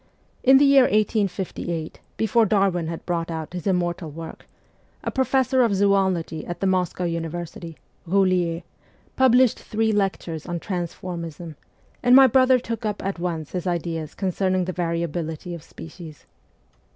In the year 1858, before Darwin had brought out his immortal work, a professor of zoology at the Moscow University, Boulier, published three lectures on transformism, and my brother took up at once his ideas concerning the variability of species.